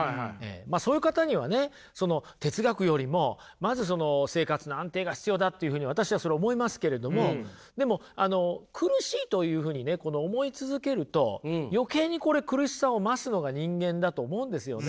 まあそういう方にはね哲学よりもまずその生活の安定が必要だっていうふうに私はそれ思いますけれどもでもあの苦しいというふうにねこの思い続けると余計にこれ苦しさを増すのが人間だと思うんですよね。